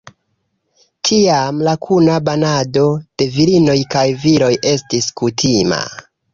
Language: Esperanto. Tiam la kuna banado de virinoj kaj viroj estis kutima.